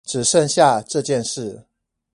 只剩下這件事